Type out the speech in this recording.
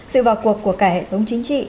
sự vào cuộc của cả hệ thống chính trị